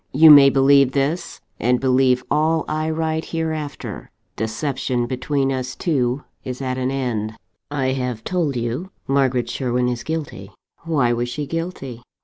You may believe this, and believe all I write hereafter. Deception between us two is at an end. "I have told you Margaret Sherwin is guilty. Why was she guilty?